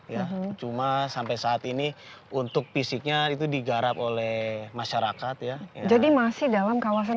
ya cuma sampai saat ini untuk fisiknya itu digarap oleh masyarakat ya jadi masih dalam kawasan